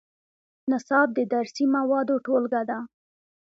نصاب د درسي موادو ټولګه ده